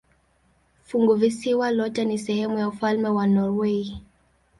Funguvisiwa lote ni sehemu ya ufalme wa Norwei.